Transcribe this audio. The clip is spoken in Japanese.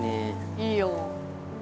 いいよ。